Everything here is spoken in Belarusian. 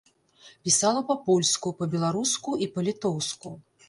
Пісала па-польску, па-беларуску і па-літоўску.